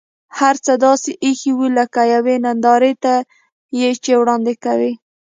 هر څه داسې اېښي و لکه یوې نندارې ته یې چې وړاندې کوي.